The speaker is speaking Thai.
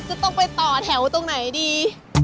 จะต้องไปต่อแถวตรงไหนดี